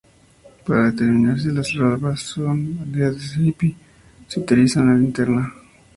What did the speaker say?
Para determinar si las larvas son de "Aedes aegypti", se utiliza una linterna.